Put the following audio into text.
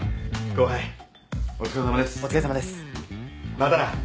またな。